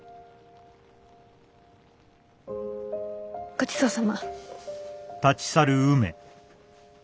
ごちそうさま。